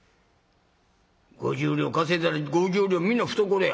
５０両稼いだら５０両皆懐や。